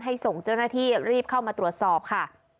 ส่งเจ้าหน้าที่รีบเข้ามาตรวจสอบค่ะ